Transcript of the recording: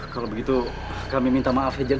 kalau begitu kami minta maaf ya jeng